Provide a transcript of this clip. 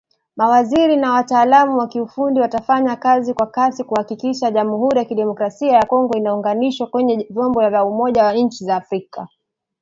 Mawaziri na wataalamu wa kiufundi watafanya kazi kwa kasi kuhakikisha jamuhuri ya kidemokrasia ya Kongo inaunganishwa kwenye vyombo vya umoja wa inchi za Afrika